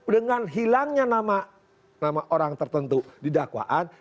dengan hilangnya nama orang tertentu di dakwaan